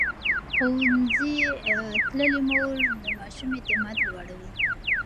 ښوونځې تللې مور د ماشوم اعتماد لوړوي.